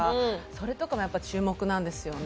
それとかもやっぱ注目なんですよね